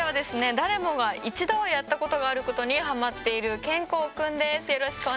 誰もが一度はやったことがあることにハマっているけんこうくんです。